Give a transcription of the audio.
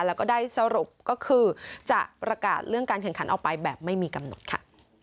แล้วก็ได้สรุปก็คือจะประกาศเรื่องการแข่งขันออกไปแบบไม่มีกำหนดค่ะ